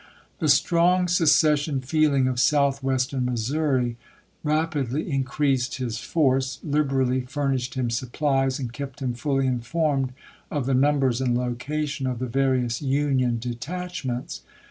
The strong secession feeling of southwestern Missouri rapidly increased his force, liberally fur nished him supplies, and kept him fully informed of the numbers and location of the various Union detachments.